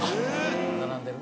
並んでる？